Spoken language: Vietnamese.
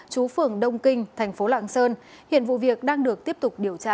chú phường đông kinh thành phố lạng sơn hiện vụ việc đang được tiếp tục điều tra